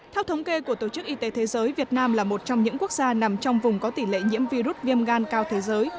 theo thống kê của tổ chức y tế thế giới việt nam là một trong những quốc gia nằm trong vùng có tỷ lệ nhiễm virus viêm gan cao thế giới